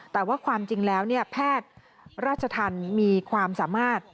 แต่ว่าความจริงแล้วแพทย์ราชธรรมมีความสามารถ